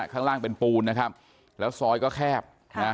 ข้างล่างเป็นปูนนะครับแล้วซอยก็แคบนะ